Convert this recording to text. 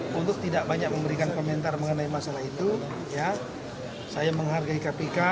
kedua belah pihak